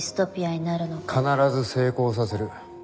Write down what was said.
必ず成功させる。